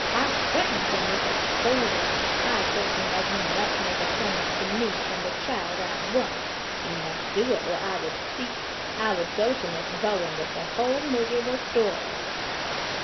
I threatened him with exposure. I told him that he must make atonement to me and the child at once. He must do it or I would speak; I would go to Miss Bowen with the whole miserable story."